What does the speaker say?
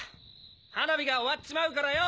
花火が終わっちまうからよ！